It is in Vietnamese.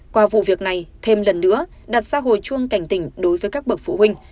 qua vụ việc này thêm lần nữa đặt xã hội chuông cảnh tỉnh đối với các bậc phụ huynh